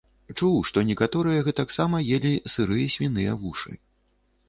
Чуў, што некаторыя гэтак сама елі сырыя свіныя вушы.